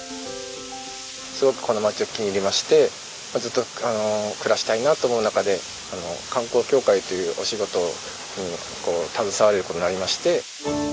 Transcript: すごくこの町を気に入りましてずっと暮らしたいなと思う中で観光協会というお仕事に携われる事になりまして。